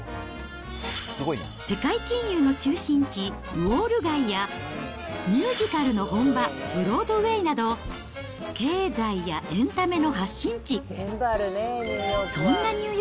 世界金融の中心地、ウォール街や、ミュージカルの本場、ブロードウェイなど、経済やエンタメの発信地。